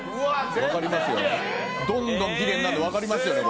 どんどんきれいになるのわかりますよね